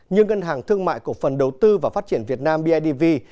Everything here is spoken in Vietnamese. như ngân hàng thương mại cổ phần đầu tư và phát triển việt nam bidv